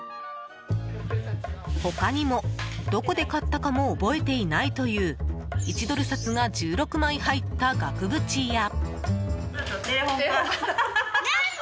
他にも、どこで買ったかも覚えていないという１ドル札が１６枚入った額縁や。